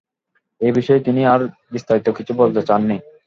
এ বিষয়ে তিনি আর বিস্তারিত কিছু বলতে চাননি।